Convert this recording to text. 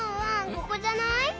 ここじゃない？